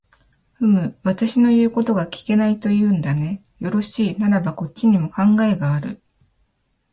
ふむ、私の言うことが聞けないと言うんだね。よろしい、ならばこっちにも考えがある。